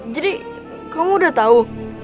jadi kamu udah tahu